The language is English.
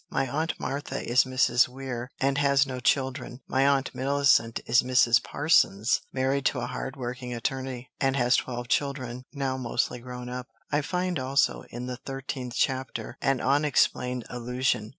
My Aunt Martha is Mrs. Weir, and has no children; my Aunt Millicent is Mrs. Parsons, married to a hard working attorney, and has twelve children, now mostly grown up. I find also, in the thirteenth chapter, an unexplained allusion.